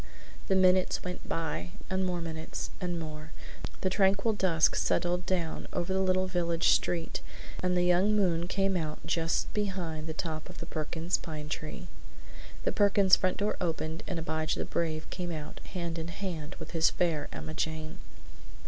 The minutes went by, and more minutes, and more. The tranquil dusk settled down over the little village street and the young moon came out just behind the top of the Perkins pine tree. The Perkins front door opened and Abijah the Brave came out hand in hand with his Fair Emma Jane.